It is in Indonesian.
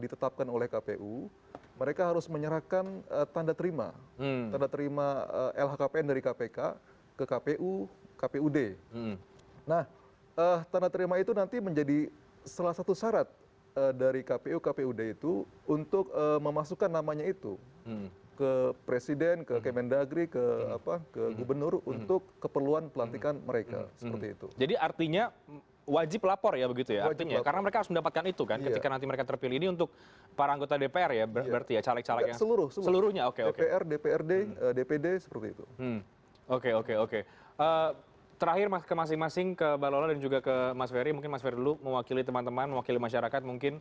terima kasih banyak